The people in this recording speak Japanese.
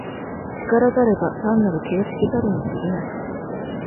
然らざれば単なる形式たるに過ぎない。